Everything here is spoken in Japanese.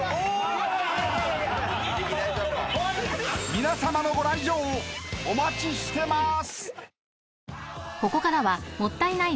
［皆さまのご来場お待ちしてます！］